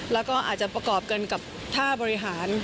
แล้วก็อาจจะประกอบกันกับท่าบริหาร